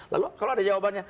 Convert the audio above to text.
lalu kalau ada jawabannya